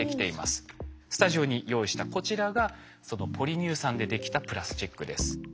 スタジオに用意したこちらがそのポリ乳酸でできたプラスチックです。